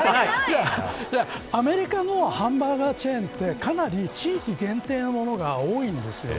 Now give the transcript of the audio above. アメリカのハンバーガーチェーンって地域限定のものが多いんです。